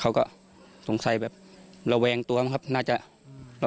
เขาก็ตรงไซค์แบบระวแวงตัวบ้างครับ